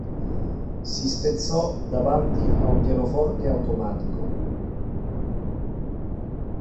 Si spezzò davanti a un pianoforte automatico.